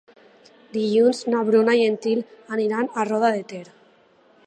Dilluns na Bruna i en Nil iran a Roda de Ter.